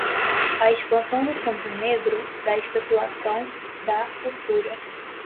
a expansão do cambio negro, da especulação, da usura